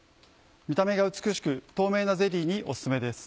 見た目が美しく透明なゼリーにお薦めです。